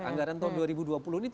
anggaran tahun dua ribu dua puluh ini